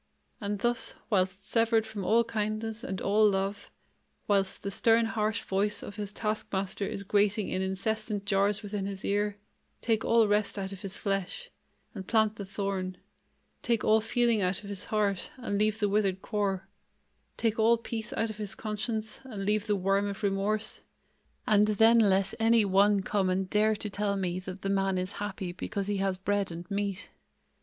And thus, whilst severed from all kindness and all love, whilst the stern harsh voice of his task master is grating in incessant jars within his ear, take all rest out of his flesh, and plant the thorn; take all feeling out of his heart, and leave the withered core; take all peace out of his conscience, and leave the worm of remorse; and then let any one come and dare to tell me that the man is happy because he has bread and meat.